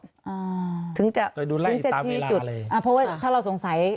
อ่าถึงจะดูไล่ตามเวลาเลยเพราะว่าถ้าเราสงสัย